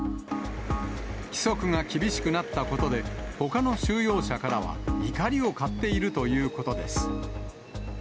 規則が厳しくなったことで、ほかの収容者からは怒りを買っているということです。